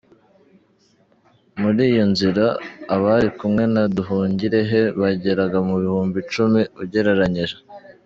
Muri iyo nzira, abari kumwe na Nduhungirehe bageraga ku bihumbi icumi ugereranyije.